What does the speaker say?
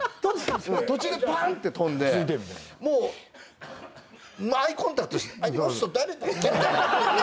途中でパン！って飛んでもうアイコンタクトしてこの人誰だっけ？みたいな。